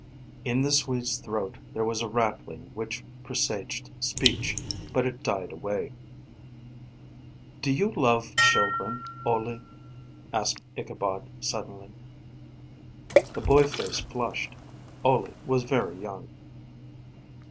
In the Swede's throat there was a rattling, which presaged speech, but it died away. "Do you love children, Ole?" asked Ichabod, suddenly. The boy face flushed. Ole was very young.